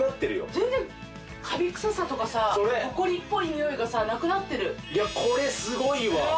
全然カビ臭さとかさそれホコリっぽい臭いがなくなってるこれすごいわわあ